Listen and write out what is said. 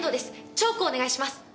チョークをお願いします。